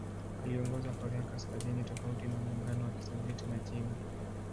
Aliongoza Korea Kaskazini tofauti na Muungano wa Kisovyeti na China.